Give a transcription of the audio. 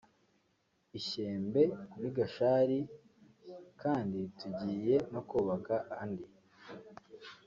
i Shyembe n’i Gashari kandi tugiye no kubaka andi”